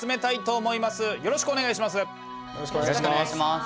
よろしくお願いします！